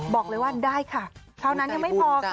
บอกเลยว่าได้ค่ะเท่านั้นยังไม่พอค่ะ